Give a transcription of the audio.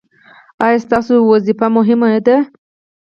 ایا ستاسو دنده مهمه ده؟